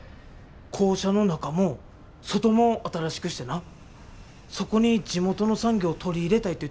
校舎の中も外も新しくしてなそこに地元の産業取り入れたいって言って。